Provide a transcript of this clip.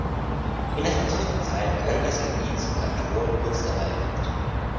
In der Franzosenzeit gehörte das Gebiet zum Kanton Münstermaifeld.